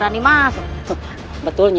aku memang